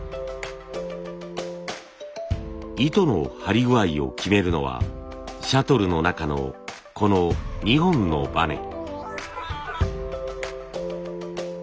糸の張り具合を決めるのはシャトルの中のこの２本のバネ。